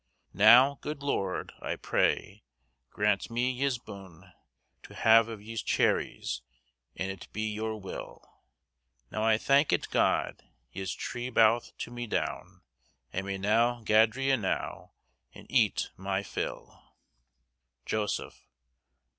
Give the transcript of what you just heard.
_ Now, good Lord, I pray the, graunt me yis boun, To have of yese cheries, and it be yor wylle, Now I thank it God, yis tre bowyth to me down, I may now gadery anowe and etyn my fylle. _Joseph.